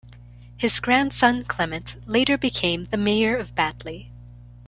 His grandson Clement, later became the mayor of Batley.